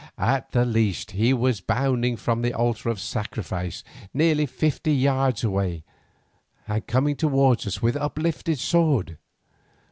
At the least he was bounding from the altar of sacrifice nearly fifty yards away, and coming towards us with uplifted sword.